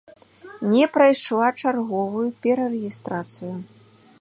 Не прайшла чарговую перарэгістрацыю.